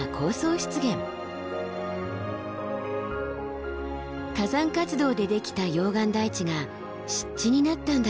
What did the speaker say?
火山活動でできた溶岩台地が湿地になったんだそう。